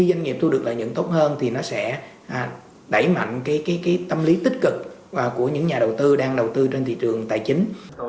doanh nghiệp thu được lợi nhuận tốt hơn thì nó sẽ đẩy mạnh cái tâm lý tích cực của những nhà đầu tư đang đầu tư trên thị trường tài chính